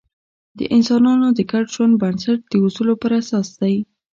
د انسانانو د ګډ ژوند بنسټ د اصولو پر اساس دی.